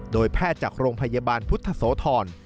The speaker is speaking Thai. โดยแพทย์จากโรงพยาบาลพุทธโสธร